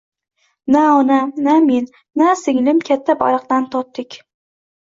Na onam, na men, na singlim katta baliqdan totdik.